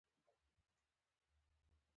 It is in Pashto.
په باور یې دوی د هغه قدرت له امله دلته دي